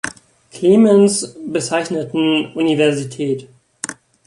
Klemens“ bezeichneten Universität.